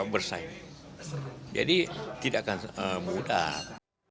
bersaing jadi tidak akan mudah